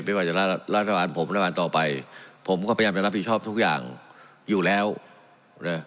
ไม่ว่าจะละทะวันผมละทะวันต่อไปผมก็พยายามจะรับผิดชอบทุกอย่างอยู่แล้วนะ